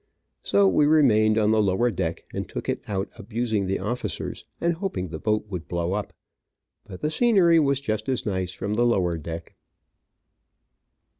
So we remained on the lower deck, and took it out abusing the officers, and hoping the boat would blow up. But the scenery was just as nice from the lower deck.